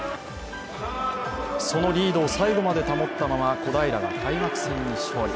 そのリードを最後まで保ったまま小平が開幕戦に勝利。